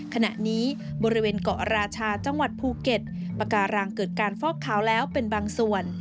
ขณะนี้บริเวณเกาะราชาจังหวัดภูเก็ตปาการังเกิดการฟอกขาวแล้วเป็นบางส่วน